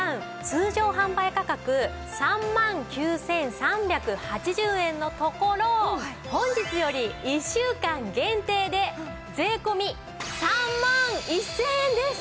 通常販売価格３万９３８０円のところ本日より１週間限定で税込３万１０００円です！